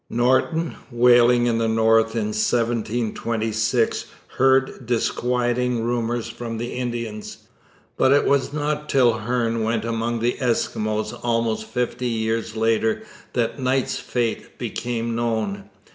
Norton, whaling in the north in 1726, heard disquieting rumours from the Indians, but it was not till Hearne went among the Eskimos almost fifty years later that Knight's fate became known.